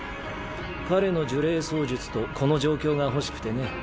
彼の呪霊操術とこの状況が欲しくてね。